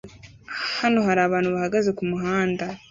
Hano hari abantu bahagaze kumuhanda